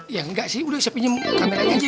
ya enggak sih udah saya punya kameranya aja